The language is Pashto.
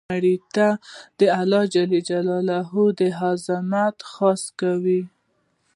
مړه ته د الله ج د عظمت خواست کوو